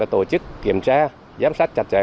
tổ chức kiểm tra giám sát chặt chẽ